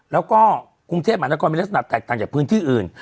แล้วก็กรุงเทพฯอันดักรณ์ไม่ละสนับแตกต่างจากพื้นที่อื่น